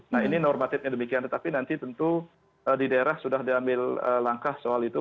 nah ini normatifnya demikian tetapi nanti tentu di daerah sudah diambil langkah soal itu